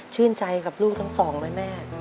ชื่นใจกับลูกทั้งสองไหมแม่